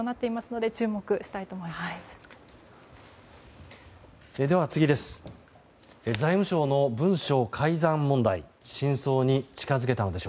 では、次です。